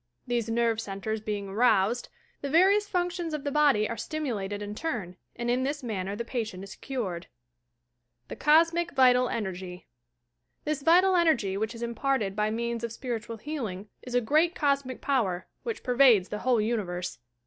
These nerve centres being aroused, the various functions of the body are stimulated in turn, and in this manner the patient is cured, THE COSMIC, VITAL ENEKGY This vital energy which is imparted by means of spiritual healing is a great Cosmic power, which per vades the whole Universe.